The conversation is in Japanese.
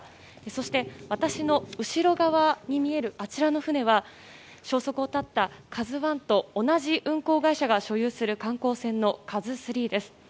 そして、私の後ろ側に見えるあちらの船は消息を絶った「ＫＡＺＵ１」と同じ運航会社が所有する観光船の「ＫＡＺＵ３」です。